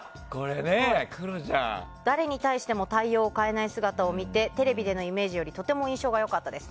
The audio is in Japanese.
誰に対しても対応を変えない姿を見てテレビでのイメージより印象が良かったです。